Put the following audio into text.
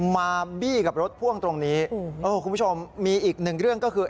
มาบี้กับรถพ่วงตรงนี้เออคุณผู้ชมมีอีกหนึ่งเรื่องก็คือ